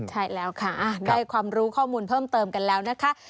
ใช่แล้วค่ะได้ความรู้ข้อมูลเพิ่มเติมกันแล้วนะคะ